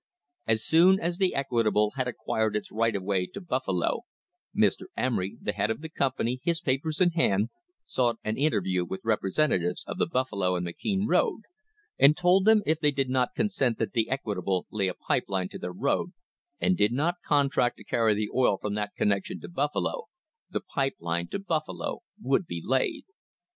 As soon as the Equitable had acquired its right of way to Buffalo, Mr. Emery, the head of the com pany, his papers in hand, sought an interview with representa tives of the Buffalo and McKean road, and told them if they did not consent that the Equitable lay a pipe line to their road, and did not contract to carry the oil from that connec tion to Buffalo, the pipe line to Buffalo would be laid.